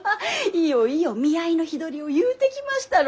いよいよ見合いの日取りを言うてきましたろうか。